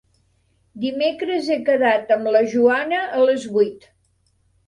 Dimecres he quedat amb la Joana a les vuit.